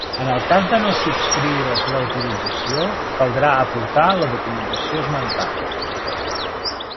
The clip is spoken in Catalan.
En cas de no subscriure's l'autorització, caldrà aportar la documentació esmentada.